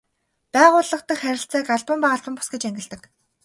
Байгууллага дахь харилцааг албан ба албан бус гэж ангилдаг.